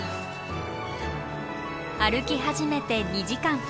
歩き始めて２時間。